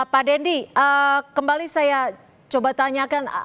pak dendi kembali saya coba tanyakan